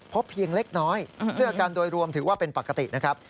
เพียงเล็กน้อยเสื้อกันโดยรวมถือว่าเป็นปกตินะครับ